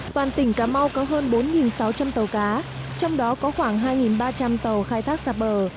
toàn tỉnh cà mau có hơn bốn sáu trăm linh tàu cá trong đó có khoảng hai ba trăm linh tàu khai thác sạp bờ